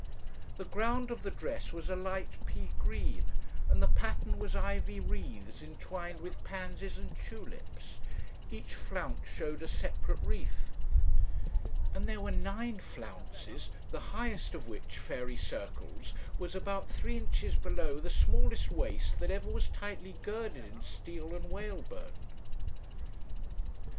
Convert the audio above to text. The ground of the dress was a light pea green, and the pattern was ivy wreaths entwined with pansies and tulips each flounce showed a separate wreath and there were nine flounces, the highest of which fairy circles was about three inches below the smallest waist that ever was tightly girded in steel and whalebone.